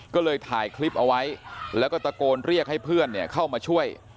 ก็เลยถ่ายคลิปเอาไว้แล้วก็ตะโกนเรียกให้เพื่อนเข้ามาช่วย